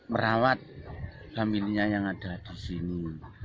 merawat familia yang ada di sini